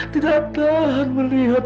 tidak tahan melihat